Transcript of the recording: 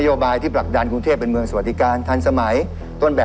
ก็นี่แหละนะ